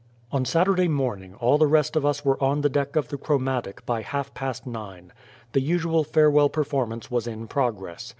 On Saturday morning all the rest of us were on the deck of the Chromatic by half past nine. The usual farewell performance was in progress.